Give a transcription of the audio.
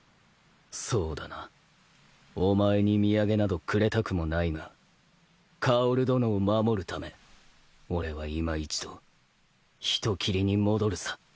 そうだなお前に土産などくれたくもないが薫殿を守るため俺はいま一度人斬りに戻るさ。